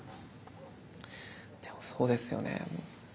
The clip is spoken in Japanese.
でもそうですよね。